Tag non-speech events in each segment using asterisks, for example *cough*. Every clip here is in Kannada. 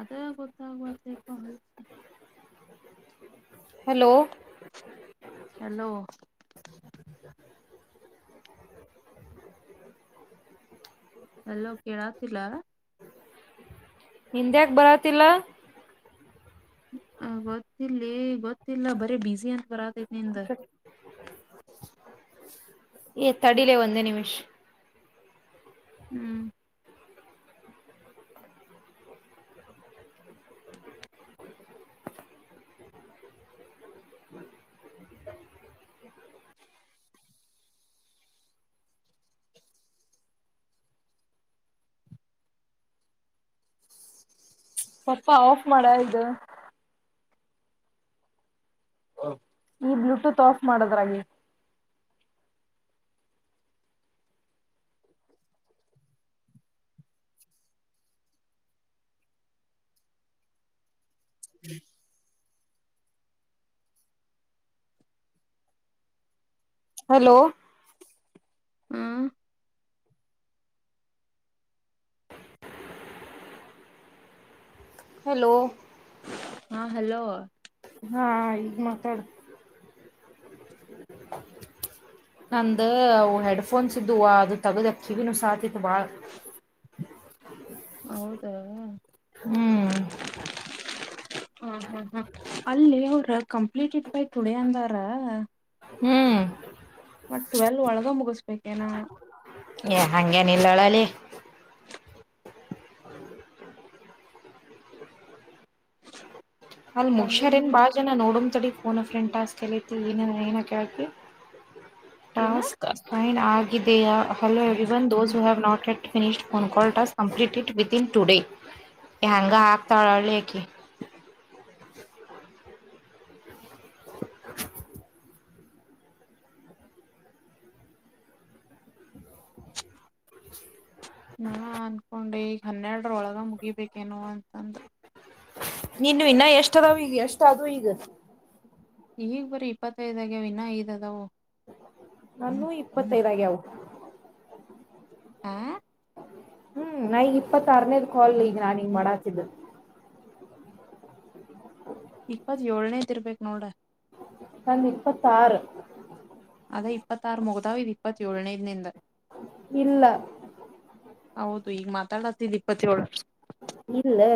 ಅದೇ ಗೊತ್ತಾಗುವದಪ ಹಲೋ ಹಲೋ ಎಲ್ಲೋ ಕೇಳಾತಿಲ್ಲ ಹಿಂದ್ಯಾಕೆ ಬರತಿಲ್ಲ ಆ ಗೊತ್ತಿಲ್ಲ ಗೊತ್ತಿಲ್ಲ ಬರೀ ಬಿಸಿ ಅಂತ ಬರತತಿ ನಿಂದ ಏ ತಡಿಲೇ ಒಂದೇ ನಿಮಿಷ್ ಹ್ಮ್ ಸ್ವಪ ಆಫ್ ಮಾಡ ಇದು ಈ ಬ್ಲೂಟೂತ್ ಆಫ್ ಮಾಡದ್ರಾಗಿ ಹಲೋ ಹ್ಮ್ ಹಲೋ ಹಾ ಹಲೋ ಹಾ ಈ ಮಾತಾಡ ನಂದ ಹೆಡ್ಫೋನ್ಸ್ ಇದ್ದು ಅದು ತಗದ ಕಿವಿನೂ ಸಾತಿತ್ತು ಬಾಳ ಹೌದಾ ಹ್ಮ್ ಹಾ ಹಾ್ ಹಾ ಅಲ್ಲಿ ಅವ್ರ ಕಂಪ್ಲೀಟಡ್ ಬೈ ಟುಡೇ ಅಂದಾರ ಹ್ಮ್ ಮತ್ತ ಟ್ವವೆಲ್ ಒಳಗ ಮುಗಿಸ್ಬೇಕೇನಾ ಏ ಹಂಗೇನ ಇಲ್ಲಾಳಲ್ಲಿ ಅಲ್ಲಿ ಮುಗ್ಯಾರ ಏನ್ ಹಂಗೇನಿಲ್ಲ ಬಾಳ ಜನ ನೋಡಮ ತಡಡಿ ಕೋನ ಫ್ರೆಂಡ್ ಟಾಸ್ಕ್ ಕಲೈತಿ ಏನ ಏನ ಕೇಳ್ತಿ ಏನ ಟಾಸ್ಕ್ ಅಸೈನ್ ಆಗಿದೆಯಾ ಹಲೋನ್ ದೋಸ್ ಹ have not at minute phone call to complete it we in today ಹೆಂಗ ಹಾಕ್ತಾಳಳ್ಳಿ ಯಕಿ *inaudible* ಹ ನಾ ಅನ್ಕೊಂಡೆ ಈಗ ಹನ್ನೆರಡ್ರೊಳಗ ಮುಗಿಬೇಕೇನು ಅಂತಂದ್. ನೀನು ಇನ್ನ ಎಷ್ಟ ಅದಾವ ಈಗ ಎಷ್ಟಾದೂ ಈಗ ಈಗ್ ಬರೀ ಇಪ್ಪತ್ತೈದ ಆಗ್ಯಾವ್ ಇನ್ನ ಐದ ಅದಾವವು ನಾನು ಇಪ್ಪತ್ತೈದಾಗವು ಆ ಹ್ಮ್ ನಾಗ ಇಪ್ಪತ್ತರನೇದ ಕಾಲ್ ಈಗ ನಾನ್ಗ್ ಮಾಡಾತಿದ್ದ ಇಪ್ಪತ್ ಏಳ್ನೇದ ಇರ್ಬಬೇಕಕ್ ನೋಡ್ರ ತನ್ ಇಪ್ಪತ್ತ ಆರು ಅದೇ ಇಪ್ಪತ್ತಾರು ಮುಗದಾವ್ ಇ ಇಪ್ಪತ್ತಏಳನೇದ *unintelligible* ಇಲ್ಲ ಹೌದು ಈಗ ಮಾತಾಡತ್ತಿಲ್ಲ ಇಪ್ಪತ್ತೇಳಳು ಇಲ್ಲೇ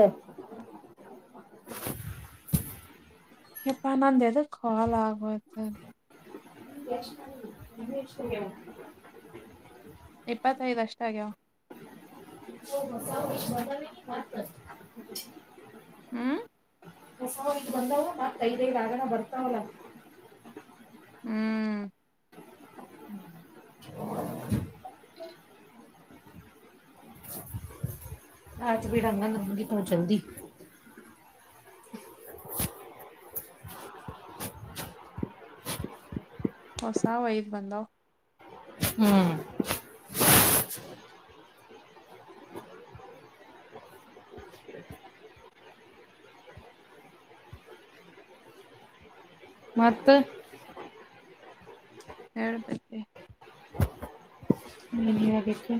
ಹ *unintelligible* ಎದುಕ್ಕಾಲ್ ಆಗೋಯ್ತ. *unintelligible* ಇಪ್ಪತ್ತೈದ್ ಅಷ್ಟ ಆಗ್ಯಾವ್. ಹ *unintelligible* ಹ್ಮ್ ಹೊಸವದು ಬಂದವ ಮತ್ತೈದೈ ಆಗನ ಬರ್ತಾವಲ್ಲ. ಹ್ಮ್ *inaudible* ಅಯ್ತ ಬಿಡ ಇನ್ನೇನ್ ಮುಗಿತದ ಜಲ್ದಿ. ಹೊಸವ್ ಈಗ್ ಬಂದಾವ್. ಹ್ಮ್ ಮತ್ತ ಹೇಳ್ಬೇಕ್ರಿ. ನಿನ *unintelligible*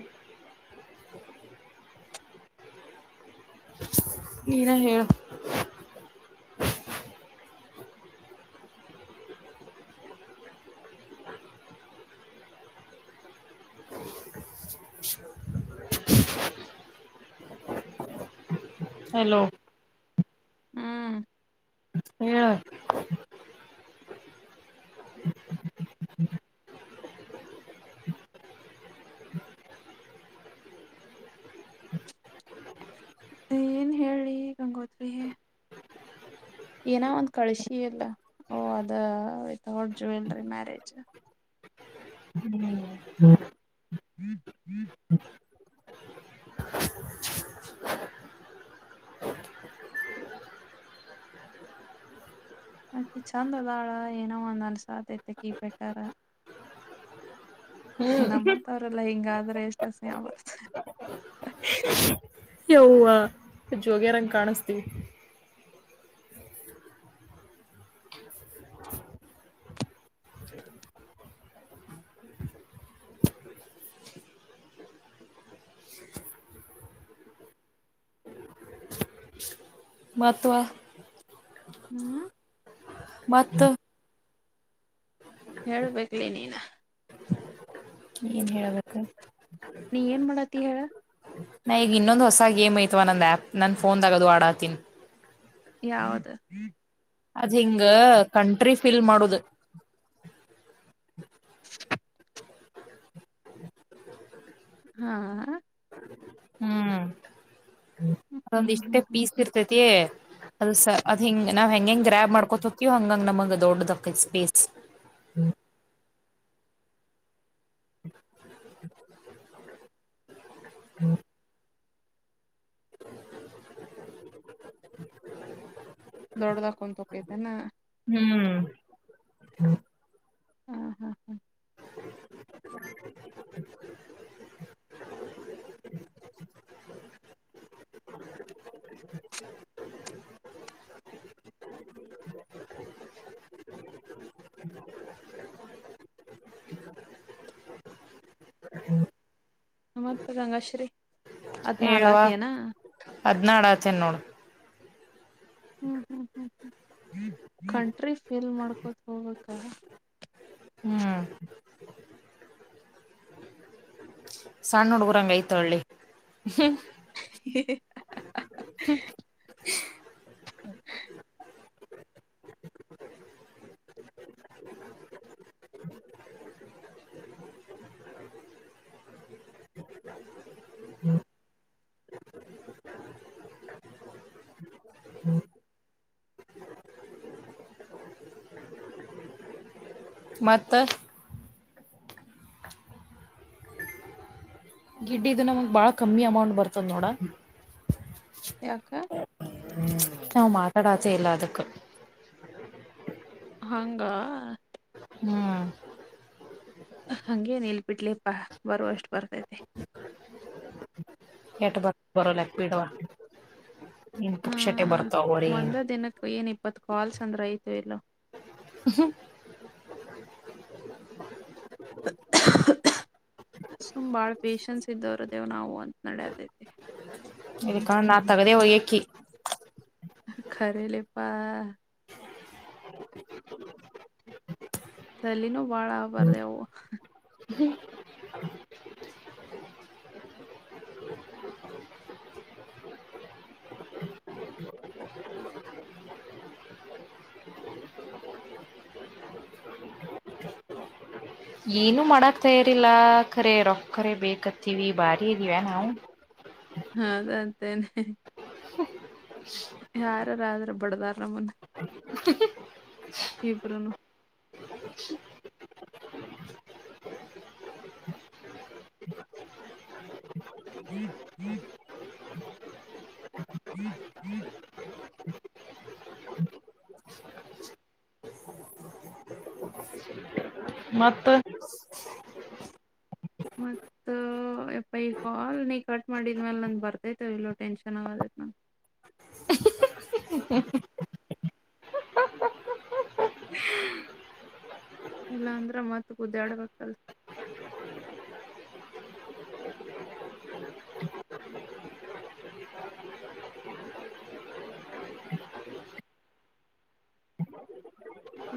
ನೀನೆ ಹೇಳು. ಹಲೋ. ಹ್ಮ್ ಹೇಳ ನ ಏನ್ ಹೇಳಿ ಗಂಗೋತ್ರಿ. ಏನ ಒಂದ್ ಕಳ್ಸಿ ಇಲ್ಲ ಓ ಅದ ವಿತೌಟ್ ಜುವೆಲ್ರಿ ಮ್ಯಾರೇಜ್. ಹ್ಮ *inaudible* ಅಕಿ ಚಂದ ಅದಾಳ ಏನೋ ಒಂದ ಅನ್ಸಕತೈತೆ ಆಕಿ ಬೆಟರ. ನಮ್ಮಂತವ್ರಲ್ಲಾ ಹಿಂಗಾದ್ರೆ ಎಷ್ಟ ಅಸಹ್ಯ ಬರ್ತ. ಹಾ ಯವ್ವಾ ಜೋಗೆರಂಗೆ ಕಾಣಿಸ್ತೀವಿ. ಹಾ ಮತ್ವ ಹ್ಮ್ ಮತ್ತು ಹೇಳ್ಬೇಕ್ಲಿ ನೀನ ಏನ್ ಹೇಳಬೇಕು ನೀ ಏನ್ ಮಾಡತ್ತಿ ಹೇಳ ನಾ ಈಗ್ ಇನ್ನೊಂದ ಹೊಸ ಗೇಮ್ ಐತವ ನಂದ ಆ್ಯಪ್ ನನ್ ಫೋನಾಗದು ಆಡಾತಿ. ಯಾವದು? ಅದ್ ಹಿಂಗ ಕಂಟ್ರಿ ಫಿಲ್ ಮಾಡುದು. ಹಾ ಹ್ಮ್ ಹ್ಮ್ ಅದೊಂದ್ ಇಷ್ಟೇ ಹ್ಮ್ ಹ್ಮ್ ಪೀಸ್ ಹ್ಮ್ ಇರ್ತೈತಿ. ಅದು ಸ ಅದ ಹಿಂಗ ನಾವ್ ಹೆಂಗೆಂಗ್ ಗ್ರ್ಯಾಬ್ ಮಾಡ್ಕೊತೋತೀವ ಹಂಗಂಗ ನಮಗೆ ದೊಡ್ಡದಾಕೈತ್ ಸ್ಪೇಸ್. ಹ್ಮ *inaudible* ದೊಡ್ಡದಾಗ್ ಬಂದ್ *unintelligible* ಹ್ಮ್ ಹಾ ಹಾ ಹಾ *inaudible* *inaudible* *inaudible* ನಮತ್ತ ರಂಗಾಶ್ರೀ ಹೇಳುವ ಅದ್ ನಡ ಆತೇನ್ ನೋಡು ಹ್ಮ್ ಹ್ಮ್ ಹ್ಮ್ ಹ್ಮ್ ಕಂಟ್ರಿ ಫೇಲ್ ಮಾಡ್ಕೋತ್ ಹೋಗ್ಬೇಕ ಹ್ಮ್ ಸಣ್ಣ ಹುಡ್ಗುರಂಗ ಐತೋಳ್ಳಿ ಹ್ಮ್ ಹಿ ಚಿಚ್ ಮತ್ತು ಗಿಡ್ಡಿದ ನಮಗೆ ಬಾಳ ಕಮ್ಮಿ ಅಮೌಂಟ್ ಬರ್ತದ ನೋಡ ಯಾಕ್ಕ ಹ್ಮ್ ನಾವು ಮಾತಾಡಚೇ ಇಲ್ಲ ಅದಕ್ಕ ಹಂಗ ಹ್ಮ್ ಹಂಗೇನ್ ಇಲ್ ಬಿಿಡ್ಲಿಪ್ಪಾ ಬರುವಷ್ಟು ಬರ್ತೈತೆ ಎಟ್ಟ ಬರ್ ಬರಲಕ್ ಬಿಡವ ಇನ್ ಪುಗಶಟೆ ಹ್ಮ್ ಬರ್ತಾವ್ರ ಒಂದ ದಿನಕ್ಕ ಏನ್ ಇಪ್ಪತ್ ಕಾಲ್ಸ್ ಅಂದ್ರೆ ಐತ ಇಲ್ಲ *inaudible* *inaudible* ಸುಮ್ ಬಾಳ ಪೇಶನ್ಸ್ ಇದ್ದವ್ರ ದೇವ್ ನಾವು ಅಂತ ನಡದೈತಿ ಇಕ್ಕಣ ನಾ ತಗದೇ ಒಯಕಿ ಖರಲೆಪ್ಪಾ *inaudible* ಅಲ್ಲಿನೂ ಬಾಳ ಆಗ್ಬಾರದೆವು ಏನು ಮಾಡಕ್ತಾ ಇಯರಿಲ್ಲ ಕಖರೆ ರೊ ಕರೆ ಬೇಕತ್ತೀವಿ ಬಾರಿ ಇದೀವಾ ನಾವು ಹದ ಅಂತೇನೆ ಯಾರಾರ್ರ ಬಡ್ದಾರಮ್ಮನ್ ಇಬರುನು *unintelligible* ಈ ಈೀ *unintelligible* ಮತ್ತ ಹ ಎಪ್ಪ ಈ ಕಾಲ್ ನೀ ಕಟ್ ಮಾಡಿದ್ಮ್ಯಲೆ ನಂದ ಬರ್ತೈತೆವ ಇಲ್ಲೋ ಟೆನ್ಶನ್ ಆಗೋದೈತ್ ನ *unintelligible* ಇಲ್ಲಾ ಅಂದ್ರ ಮತ್ ಗುದ್ದಾ ಆಡ್ಬೇಕಲ್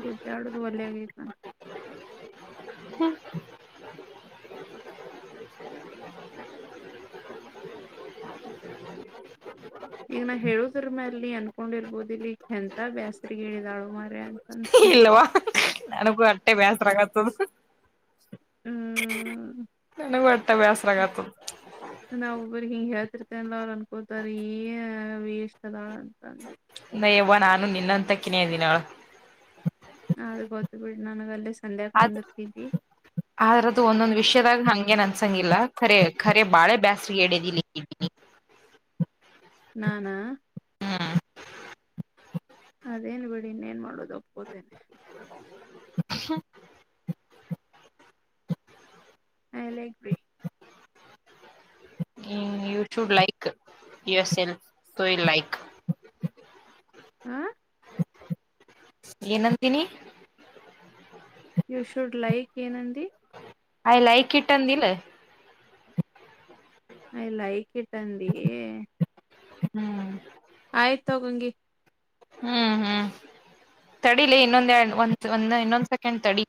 ಗುದ್ದಾ ಆಡೋುದು ಒಲ್ಯ ಐತಂತ ಹಾ ಈಗ ನಾ ಹೇಳುದ್ರ ಮ ಅಲ್ಲಿ ಅನ್ಕೊಂಡಿರ್ಬೋದು ಇಲ್ಲಿ ಕೆಂತ ಬ್ಯಾಸ್ರಗ್ ಹೇಳಿದಾಳು ಮಾರ ಅಂತ ಇಲ್ವಾ ನನಗೂ ಅಟ್ಟೆ ಬೇಸ್ರಗತ್ತದ ಹ್ಮ್ ನನ ಒತಾ ವ್ಯಾಸರಂಗತ್. ನಾವ ಒಬ್ಬ್ರಿಗೆ ಹಿಂಗ ಹೇಳ್ತಿರ್ತೇ ಅಲ್ಲ ಅವ್ರು ಅನ್ಕೋತಾರೆ ಏ ವಷ್ಟ ಅದಾಳ ಅಂತಂದ *unintelligible* ನ ಯ್ ನಾನು ನಿನ್ನಂತ ಕಿನೇ ಅದಿನಾಳ. ಅ ಗೊತ್ತು ಬಿಟ್ಟ ನನಗ ಅಲ್ಲೇ ಸಂದೆ ಹಾಕೊಂಡಿರ್ತಿದವಿ. ಅ್ರದ್ದು ಒಂದೊಂದ್ ವಿಷಯದಾಗ ಹಂಗಗೆನ್ ಅನ್ಸಂಗಿಲ್ಲಖರೆ ರೆ ಬಾಳೆ ಬ್ಯಾಸ್ರಿಗೆ ಎಡದಲಿಕ್ಕಿದ್ದೀನಿ ನಾನಾ ಅದೇನ್ ಬಿಡಿ ಇನ್ನೇನ್ ಮಾಡೋದು ಒಪ್ಕೋತೇನೆ *unintelligible* ಯು ಶು ಲೈಕ್ ಎಸ್ ಎನ್ ಸೋಯ ಲೈಕ್ ಹಾ ಏನಂತೀನಿ. ಯು ಶುಡ್ ಲೈಕ್ ಏನಂದಿ. ಐ್ ಲೈಕ್ ಇಟ್ ಹಂದಿಲೆ ಐ ಲೈಕ್ ಇಟ್ ಅಂದೀ. ಹ್ಮ್. ಆಯ್ತ್ ತಗಂಂಗಗೆ. ಹ್ಮ್ ಹ್ಮ್. ತಡಿಲಿ ಇನ್ನೊಂದ ಎ ಒಂದ್ ಒಂದ್ ಇನ್ನೊಂದ್ ಸೆಕೆಂಡ್ ತಡಿ.